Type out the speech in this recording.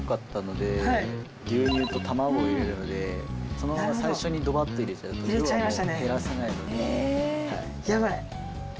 牛乳とたまごを入れるのでそのまま最初にドバッと入れちゃうと量はもう減らせないので。